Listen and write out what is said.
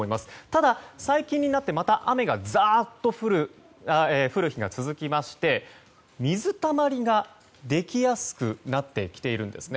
ただ、最近になってまた雨がザーッと降る日が続きまして水たまりができやすくなってきているんです。